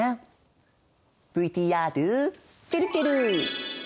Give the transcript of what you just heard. ＶＴＲちぇるちぇる！